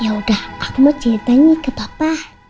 yaudah aku mau ceritain ke papa